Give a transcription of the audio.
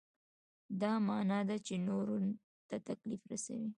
دا معنا ده چې نورو ته تکلیف رسوئ.